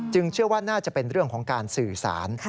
เชื่อว่าน่าจะเป็นเรื่องของการสื่อสาร